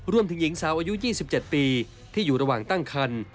รวมถึงหญิงสาวอายุ๒๗ปีที่อยู่ระหว่างตั้งคัน